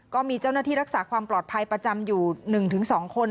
ก็มีเจ้าหน้าที่รักษาความปลอดภัยประจำอยู่๑๒คน